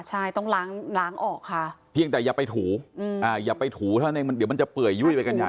ใช่ต้องล้างออกค่ะเพียงแต่อย่าไปถูอย่าไปถูเท่านั้นเองเดี๋ยวมันจะเปื่อยยุ่ยไปกันใหญ่